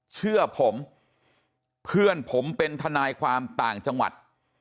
เชื่อผมเพื่อนผมเป็นทนายความต่างจังหวัด